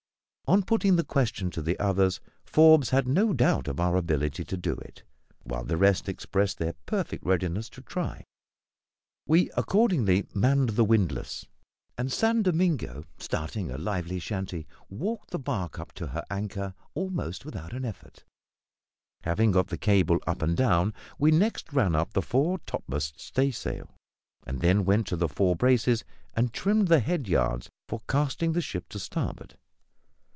On putting the question to the others, Forbes had no doubt of our ability to do it, while the rest expressed their perfect readiness to try; we accordingly manned the windlass, and San Domingo starting a lively "shanty" walked the barque up to her anchor almost without an effort. Having got the cable "up and down," we next ran up the fore topmast staysail, and then went to the fore braces and trimmed the head yards for casting the ship to starboard.